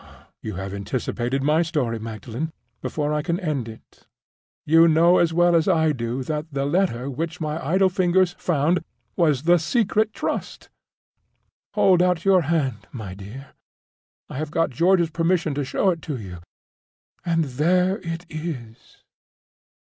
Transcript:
—You have anticipated my story, Magdalen, before I can end it! You know as well as I do that the letter which my idle fingers found was the Secret Trust. Hold out your hand, my dear. I have got George's permission to show it to you, and there it is!"